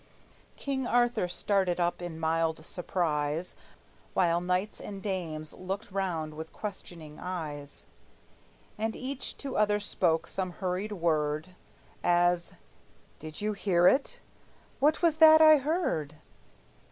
King Arthur started up in mild surprise, While knights and dames looked round with questioning eyes, And each to other spoke some hurried word, As, "Did you hear it?" "What was that I heard?"